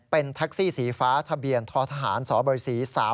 เป็นแท็กซี่สีฟ้าทะเบียนทฐสบศ๓๕๔๖